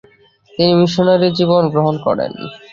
তিনি মিশনারি জীবন গ্রহণ করেন।